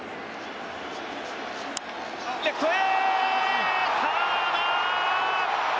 レフトへ！